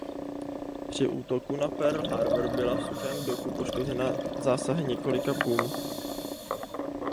Při útoku na Pearl Harbor byla v suchém doku poškozena zásahy několika pum.